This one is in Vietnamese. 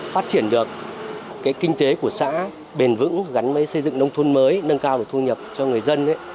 phát triển được kinh tế của xã bền vững gắn với xây dựng nông thôn mới nâng cao được thu nhập cho người dân